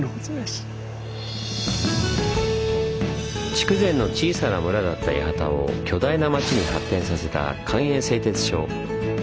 筑前の小さな村だった八幡を巨大な町に発展させた官営製鐵所。